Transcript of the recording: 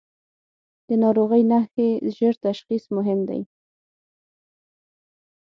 د ناروغۍ نښې ژر تشخیص مهم دي.